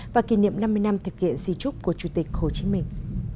và kỷ niệm năm mươi năm thực hiện di trúc của chủ tịch hồ chí minh